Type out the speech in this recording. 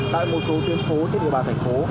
tại một số tuyến phố trên địa bàn thành phố